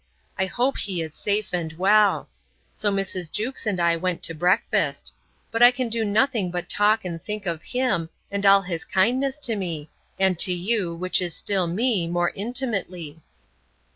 I hope he is safe and well!—So Mrs. Jewkes and I went to breakfast. But I can do nothing but talk and think of him, and all his kindness to me, and to you, which is still me, more intimately!